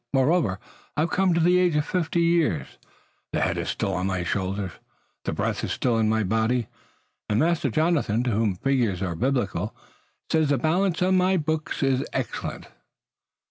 Moreover, I am come to the age of fifty years, the head is still on my shoulders, the breath is still in my body, and Master Jonathan, to whom figures are Biblical, says the balance on my books is excellent."